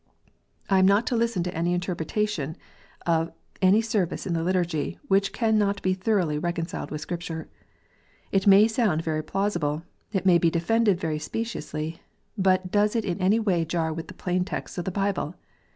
I am not to listen to any interpretation of any Service in the Liturgy, which cannot be thoroughly recon ciled with Scripture. It may sound very plausible. It may be defended very speciously. But does it in any way jar with plain texts in the Bible